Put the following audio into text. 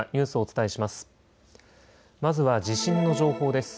まずは地震の情報です。